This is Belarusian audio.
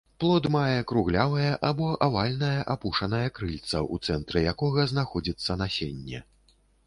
Плод мае круглявае або авальнае апушчанае крылца, у цэнтры якога знаходзіцца насенне.